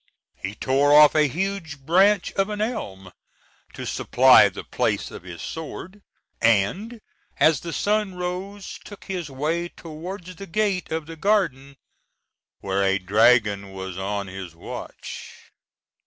He tore off a huge branch of an elm to supply the place of his sword; and, as the sun rose, took his way towards the gate of the garden, where a dragon was on his watch.